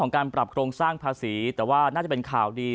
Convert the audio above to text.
การปรับโครงสร้างภาษีแต่ว่าน่าจะเป็นข่าวดี